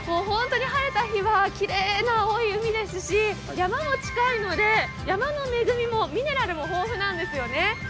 本当に晴れた日はきれいな青い海ですし山も近いので山の恵み、ミネラルも豊富なんですよね。